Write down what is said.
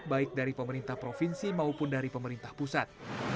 baik dari pemerintah provinsi maupun dari pemerintah pusat